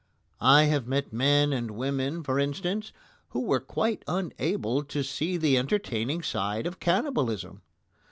I have met men and women, for instance, who were quite unable to see the entertaining side of cannibalism.